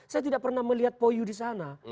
saya tidak pernah melihat puyo disana